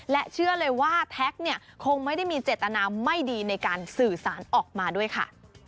และเชื่อเลยว่าแท็กเนี่ยคงไม่ได้มีเจตนาไม่ดีในการสื่อสารออกมาด้วยค่ะ